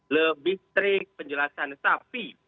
lebih strik penjelasan sapi